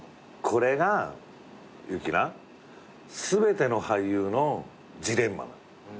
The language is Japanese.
これが友貴な全ての俳優のジレンマなのよ。